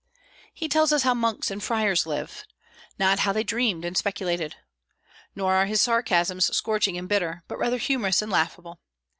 He tells us how monks and friars lived, not how they dreamed and speculated. Nor are his sarcasms scorching and bitter, but rather humorous and laughable.